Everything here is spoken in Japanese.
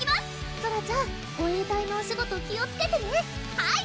ソラちゃん護衛隊のお仕事気をつけてねはい！